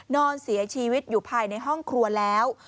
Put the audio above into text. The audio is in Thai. นอนเสียชีวิตอยู่ภายในห้องครัวแล้ว